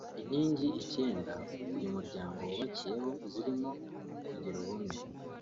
Inkingi icyenda uyu muryango wubakiyeho zirimo kugira ubumwe